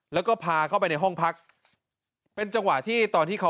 แล้วก็พาเข้าไปในห้องพักเป็นจังหวะที่ตอนที่เขา